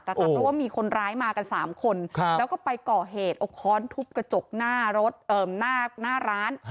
เพราะว่ามีคนร้ายมากัน๓คนแล้วก็ไปก่อเหตุเอาค้อนทุบกระจกหน้ารถหน้าร้าน